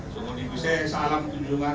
semua di buse salam kunjungan